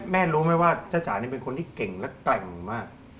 รู้ไหมว่าจ้าจ๋านี่เป็นคนที่เก่งและแกร่งมาก